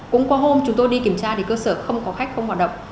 cũng qua hôm chúng tôi đi kiểm tra thì cơ sở không có khách không hoạt động